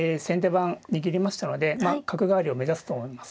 番握りましたので角換わりを目指すと思います。